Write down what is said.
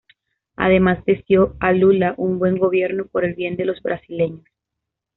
Además deseó a Lula un buen gobierno por el bien de los brasileños.